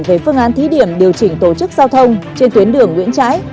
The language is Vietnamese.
về phương án thí điểm điều chỉnh tổ chức giao thông trên tuyến đường nguyễn trãi